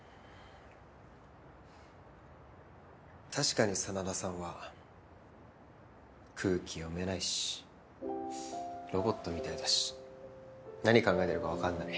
確かに真田さんは空気読めないしロボットみたいだし何考えてるかわかんない。